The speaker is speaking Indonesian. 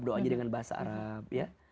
doanya dengan bahasa arab